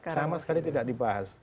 sama sekali tidak dibahas